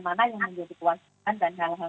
mana yang harus dikuasikan dan hal hal